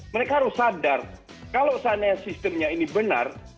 mereka harus sadar kalau seandainya sistemnya ini benar